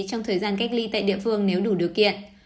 trong thời gian cách ly tại địa phương nếu đủ điều kiện